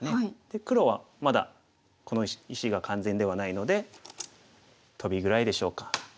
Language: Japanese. で黒はまだこの石が完全ではないのでトビぐらいでしょうか。